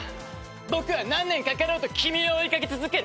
僕は何年かかろうと君を追い掛け続ける。